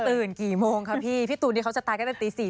ตื่นกี่โมงคะพี่พี่ตูเนี่ยเขาจะตายก็แต่ตี๔๕